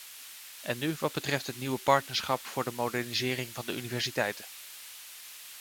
En nu wat betreft het nieuwe partnerschap voor de modernisering van de universiteiten.